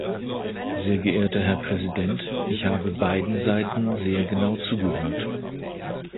Sehr geehrter Herr Präsident, ich habe beiden Seiten sehr genau zugehört.